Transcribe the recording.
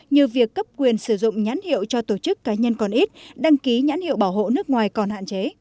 như việc cấp quyền sử dụng nhãn hiệu cho tổ chức cá nhân còn ít đăng ký nhãn hiệu bảo hộ nước ngoài còn hạn chế